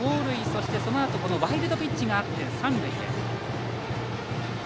そして、そのあとワイルドピッチがあって三塁へ。